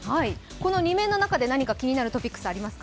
この２面の中で何か気になるトピックスありますか。